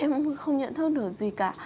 em không nhận thức được gì cả